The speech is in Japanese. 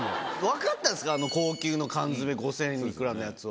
分かったんですかあの高級な缶詰５０００幾らのやつは。